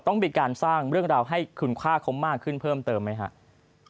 ต้องมีการสร้างเรื่องราวให้คุณค่าเขามากขึ้นเพิ่มเติมไหมครับ